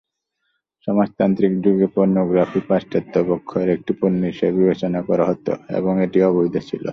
সমাজতান্ত্রিক যুগে, পর্নোগ্রাফি পাশ্চাত্য অবক্ষয়ের একটি পণ্য হিসেবে বিবেচনা করা হতো এবং এটি অবৈধ ছিল।